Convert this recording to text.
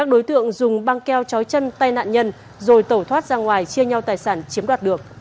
chói chân tai nạn nhân rồi tẩu thoát ra ngoài chia nhau tài sản chiếm đoạt được